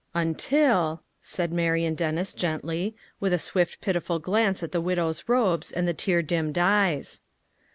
"Until —" said Marian Dennis gently, with a swift pitiful glance at the widow's robes and the tear dimmed eyes.